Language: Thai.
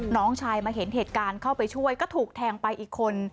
น้องชายมาเห็นเหตุการณ์เข้าไปช่วยก็ถูกแทงไปอีกคน